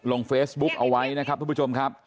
ลงเฟซบุ๊กเอาไว้นะครับทุกผู้ชมครับ